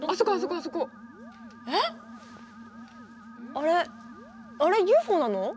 あれあれＵＦＯなの？